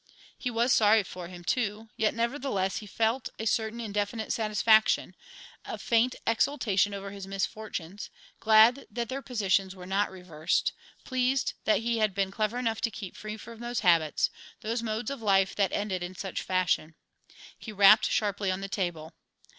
He was sorry for him, too, yet, nevertheless, he felt a certain indefinite satisfaction, a faint exultation over his misfortunes, glad that their positions were not reversed, pleased that he had been clever enough to keep free from those habits, those modes of life that ended in such fashion. He rapped sharply on the table.